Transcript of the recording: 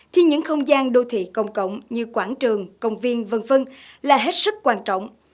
thì những không gian đô thị công cộng như quảng trường công viên v v là hết sức quan trọng